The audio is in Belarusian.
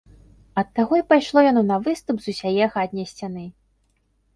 Ад таго і пайшло яно на выступ з усяе хатняй сцяны.